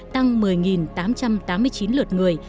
tăng một mươi tám trăm tám mươi chín lượt người